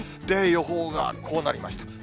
で、予報がこうなりました。